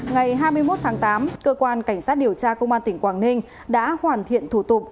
ngày hai mươi một tháng tám cơ quan cảnh sát điều tra công an tỉnh quảng ninh đã hoàn thiện thủ tục